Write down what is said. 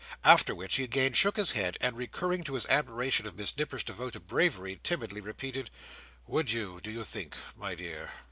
After which he again shook his head, and recurring to his admiration of Miss Nipper's devoted bravery, timidly repeated, "Would you, do you think, my dear?"